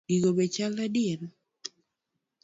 Gigo be chal adier?